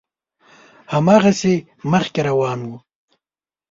هماغسې مخکې روان و.